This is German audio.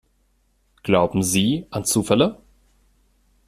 Glauben Sie an Zufälle?